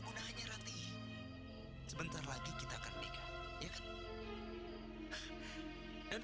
kamu tidak malu ibu